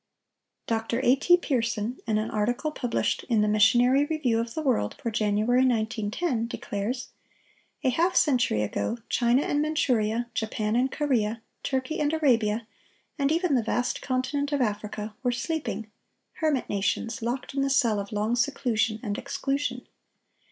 Dr. A. T. Pierson, in an article published in the Missionary Review of the World for January, 1910, declares: "A half century ago, China and Manchuria, Japan and Korea, Turkey and Arabia, and even the vast continent of Africa, were sleeping—hermit nations, locked in the cell of long seclusion and exclusion.